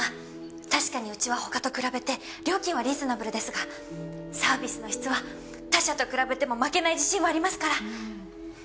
確かにうちは他と比べて料金はリーズナブルですがサービスの質は他社と比べても負けない自信はありますから。